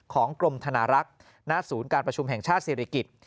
ของกรมธนารักษ์หน้าศูนย์การประชุมแห่งชาติศิริกิจ